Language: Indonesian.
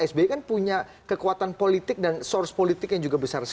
sby kan punya kekuatan politik dan source politik yang juga besar sekali